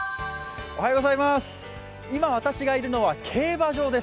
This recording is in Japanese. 今、私がいるのは競馬場です